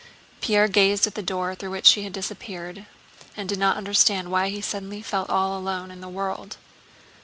Pierre gazed at the door through which she had disappeared and did not understand why he suddenly felt all alone in the world.